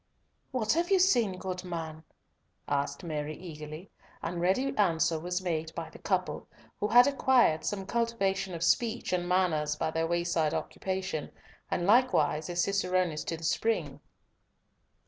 "What have you seen, good man?" asked Mary eagerly, and ready answer was made by the couple, who had acquired some cultivation of speech and manners by their wayside occupation, and likewise as cicerones to the spring.